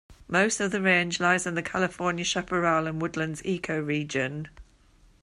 Most of the range lies in the California chaparral and woodlands ecoregion.